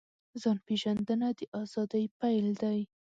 ځان پېژندنه د ازادۍ پیل دی.